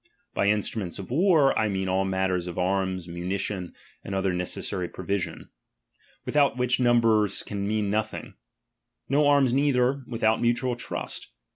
By instruments of war, I mean all manner of arms, munition, and otlier ne cessary provision : without which number can do nothing. Nor arms neither, without mutual trust.